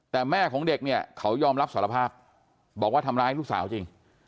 แต่แม่ของเด็กเนี่ยเขายอมรับสารภาพบอกว่าทำร้ายลูกสาวจริง